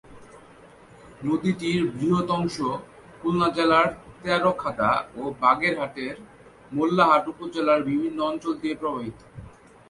নদীটির বৃহৎ অংশ খুলনা জেলার তেরখাদা ও বাগেরহাটের মোল্লাহাট উপজেলার বিভিন্ন অঞ্চল দিয়ে প্রবাহিত।